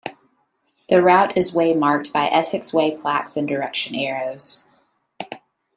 The route is waymarked by Essex Way plaques and direction arrows.